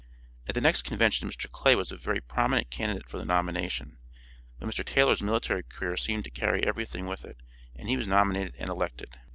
At the next convention Mr. Clay was a very prominent candidate for the nomination, but Mr. Taylor's military career seemed to carry everything with it and he was nominated and elected.